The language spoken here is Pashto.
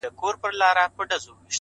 هغه د بل د كور ډېوه جوړه ده،